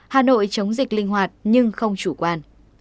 hà nội chống dịch linh hoạt nhưng không chủ quan